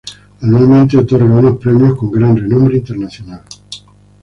Anualmente otorga unos premios con gran renombre internacional.